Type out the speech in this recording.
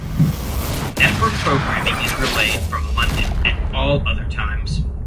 Network programming is relayed from London at all other times.